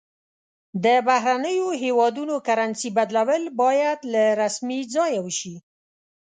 د بهرنیو هیوادونو کرنسي بدلول باید له رسمي ځایه وشي.